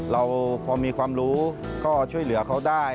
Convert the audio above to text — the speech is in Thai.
เราพอมีความรู้ก็ช่วยเหลือเขาได้